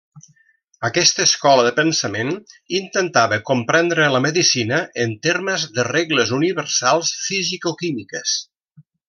Aquesta escola de pensament intentava comprendre la medicina en termes de regles universals fisicoquímiques.